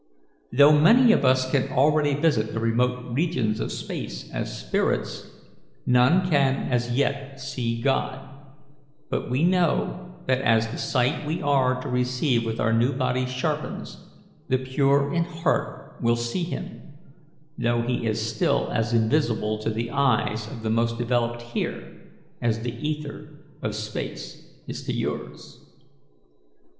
Though many of us can already visit the remote regions of space as spirits, none can as yet see God; but we know that as the sight we are to receive with our new bodies sharpens, the pure in heart will see Him, though He is still as invisible to the eyes of the most developed here as the ether of space is to yours."